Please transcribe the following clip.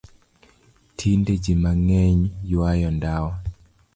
Tinde jii mangeny ywayo ndawa.